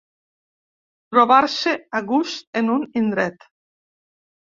Trobar-se a gust en un indret.